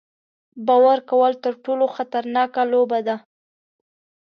باور کول تر ټولو خطرناکه لوبه ده.